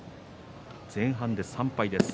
前半で３敗です。